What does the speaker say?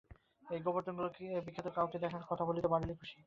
ঐ গোবর্ধনগুলো বিখ্যাত কাউকে দেখার কথা বলতে পারলেই খুশি।